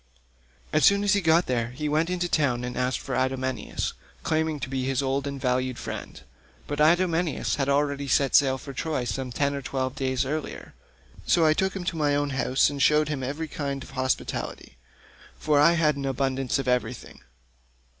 As soon as he got there he went into the town and asked for Idomeneus, claiming to be his old and valued friend, but Idomeneus had already set sail for Troy some ten or twelve days earlier, so I took him to my own house and showed him every kind of hospitality, for I had abundance of everything.